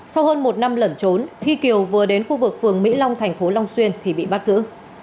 sau hơn một năm lẩn trốn khi kiều vừa đến khu vực phường mỹ long thành phố long xuyên thì bị bắt giữ